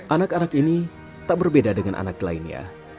anak anak ini tak berbeda dengan anak lainnya